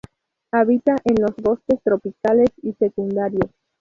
Habita en los bosques tropicales y secundarios.